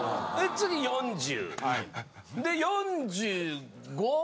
次４０。